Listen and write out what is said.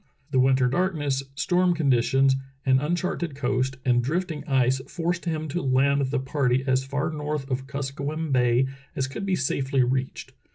The winter 274 True Tales of Arctic Heroism darkness, storm conditions, an uncharted coast, and drifting ice forced him to land the party as far north of Kuskowim Bay as could be safely reached.